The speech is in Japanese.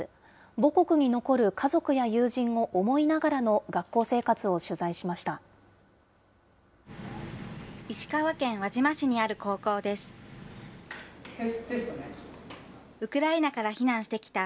母国に残る家族や友人を思いながらの学校生活を取材しました。